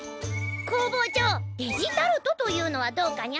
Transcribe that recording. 工房長デジタルトというのはどうかにゃ？